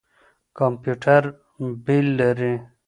کمپيوټر بِل لري.